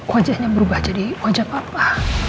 wajahnya berubah jadi wajah papa